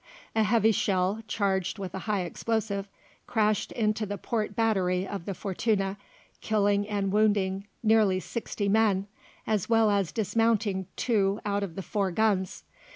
A heavy shell, charged with a high explosive, crashed into the port battery of the Fortuna, killing and wounding nearly sixty men, as well as dismounting two out of the four guns.